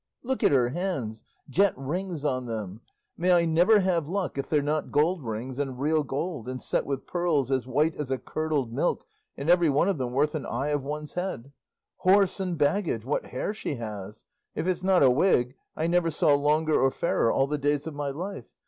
Look at her hands jet rings on them! May I never have luck if they're not gold rings, and real gold, and set with pearls as white as a curdled milk, and every one of them worth an eye of one's head! Whoreson baggage, what hair she has! if it's not a wig, I never saw longer or fairer all the days of my life.